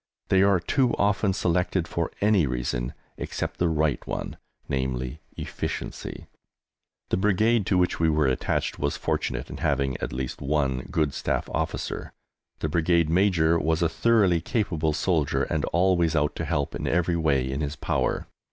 They are too often selected for any reason except the right one, viz., efficiency. The Brigade to which we were attached was fortunate in having at least one good Staff Officer. The Brigade Major was a thoroughly capable soldier, and always out to help in every way in his power.